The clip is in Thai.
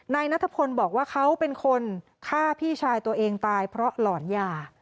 นายนัทพลบอกว่าเขาเป็นคนฆ่าพี่ชายตัวเองตายเพราะหลอนยา